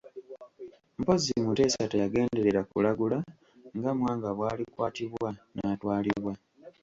Mpozzi Mutesa teyagenderera kulagula nga Mwanga bw'alikwatibwa n'atwalibwa.